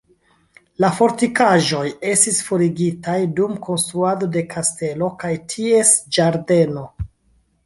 La fortikaĵoj estis forigitaj dum konstruado de kastelo kaj ties ĝardeno.